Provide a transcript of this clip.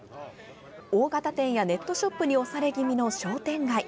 大型店や、ネットショップに押され気味の商店街。